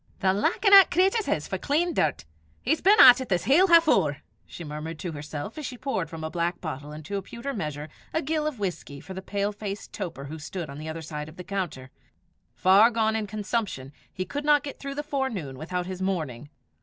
"The likin' 'at cratur his for clean dirt! He's been at it this hale half hoor!" she murmured to herself as she poured from a black bottle into a pewter measure a gill of whisky for the pale faced toper who stood on the other side of the counter: far gone in consumption, he could not get through the forenoon without his morning.